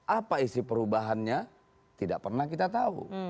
apa isi perubahannya tidak pernah kita tahu